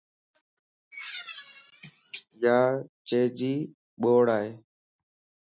ياچيجي ٻوڙائي